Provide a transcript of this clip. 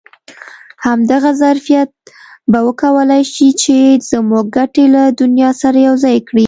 همدغه ظرفیت به وکولای شي چې زموږ ګټې له دنیا سره یو ځای کړي.